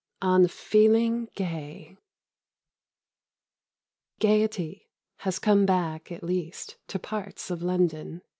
XIII ON FEELING GAY Gaiety has come back at least to parts of London.